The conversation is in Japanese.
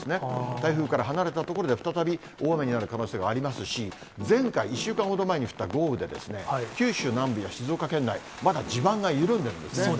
台風から離れた所で再び大雨になる可能性がありますし、前回、１週間ほど前に降った豪雨で、九州南部や静岡県内、まだ地盤がそうですね。